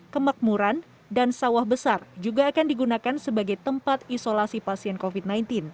kemakmuran dan sawah besar juga akan digunakan sebagai tempat isolasi pasien covid sembilan belas